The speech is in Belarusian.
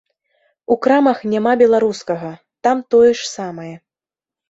У крамах няма беларускага, там тое ж самае.